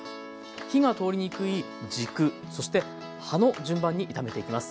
火が通りにくい軸そして葉の順番に炒めていきます。